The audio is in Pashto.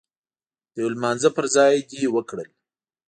د يو لمانځه پر ځای دې وکړل.